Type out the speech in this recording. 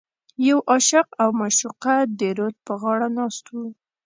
یو عاشق او معشوقه د رود په غاړه ناست و.